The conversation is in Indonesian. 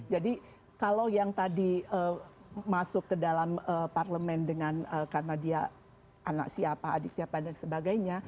jadi kalau yang tadi masuk ke dalam parlemen karena dia anak siapa adik siapa dan sebagainya